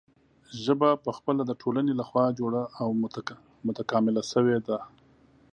ژبه پخپله د ټولنې له خوا جوړه او متکامله شوې ده.